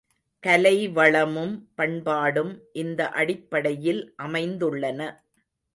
கலைவளமும் பண்பாடும் இந்த அடிப்படையில் அமைந்துள்ளன.